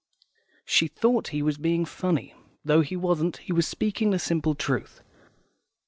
She thought he was being funny, though he wasn't; he was speaking the simple truth.